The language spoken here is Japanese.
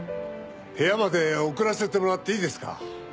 部屋まで送らせてもらっていいですか？